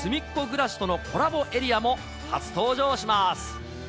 ぐらしとのコラボエリアも初登場します。